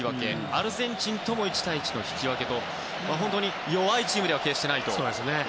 アルゼンチンとも１対１の引き分けと、本当に本当に弱いチームでは決してないと。